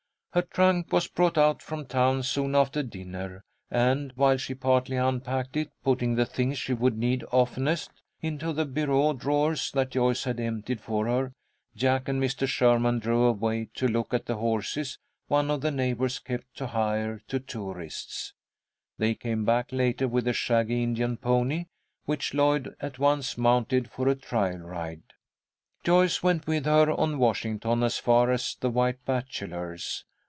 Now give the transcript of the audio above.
Her trunk was brought out from town soon after dinner, and, while she partly unpacked it, putting the things she would need oftenest into the bureau drawers that Joyce had emptied for her, Jack and Mr. Sherman drove away to look at the horses one of the neighbours kept to hire to tourists. They came back later with a shaggy Indian pony, which Lloyd at once mounted for a trial ride. Joyce went with her on Washington as far as the White Bachelor's.